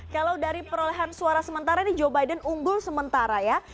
kalau dari perolehan suara sementara ini joe biden unggul sementara ya